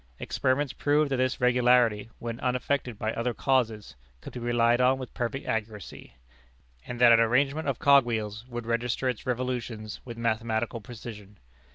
Experiments proved that this regularity, when unaffected by other causes, could be relied on with perfect accuracy, and that an arrangement of cog wheels would register its revolutions with mathematical precision.